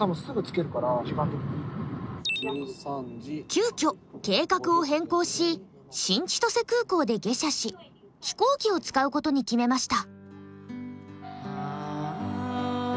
急きょ計画を変更し新千歳空港で下車し飛行機を使うことに決めました。